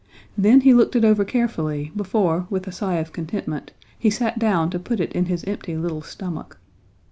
Then he looked it over carefully before, with a sigh of contentment, he sat down to put it in his empty little stomach.